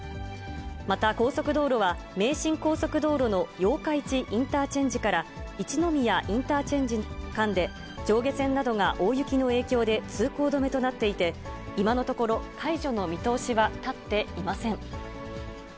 また、高速道路は、名神高速道路の八日市インターチェンジから一宮インターチェンジ間で、上下線などが大雪の影響で通行止めとなっていて、今のところ、解除の見通しはたっていません。